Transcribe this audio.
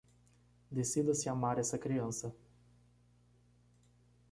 Decida-se amar essa criança